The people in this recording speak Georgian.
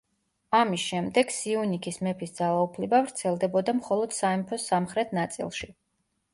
ამის შემდეგ სიუნიქის მეფის ძალაუფლება ვრცელდებოდა მხოლოდ სამეფოს სამხრეთ ნაწილში.